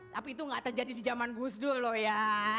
tapi itu enggak terjadi di zaman gusdur loh ya